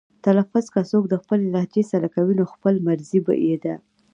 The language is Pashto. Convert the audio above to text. تلفظ که څوک د خپلې لهجې سره کوي نو خپله مرزي یې ده.